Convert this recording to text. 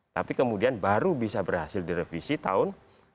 tapi kemudian baru bisa berhasil direvisi tahun dua ribu dua